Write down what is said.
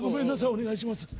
お願いします